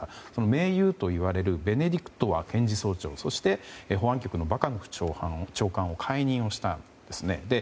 盟友といわれるベネディクトワ検事総長そして保安局のバカノフ長官を解任したんですね。